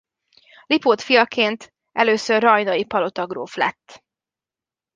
Lipót fiaként először rajnai palotagróf lett.